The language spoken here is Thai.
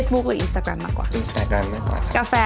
ตอยมวยครับชอบมาก